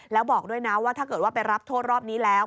แล้วบอกด้วยนะว่าถ้าเกิดว่าไปรับโทษรอบนี้แล้ว